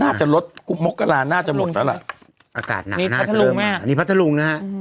น่าจะลดมกรานน่าจะหมดแล้วแหละอากาศหนักน่าจะเริ่มมากนี่พระทะลุงนะฮะ